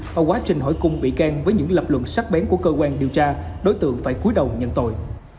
vào quá trình hỏi cung bị can với những lập luận sắc bén của cơ quan điều tra đối tượng phải cuối đầu nhận tội